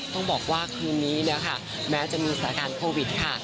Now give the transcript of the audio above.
ต้องบอกว่าคืนนี้นะคะแม้จะมีสถานการณ์โควิดค่ะ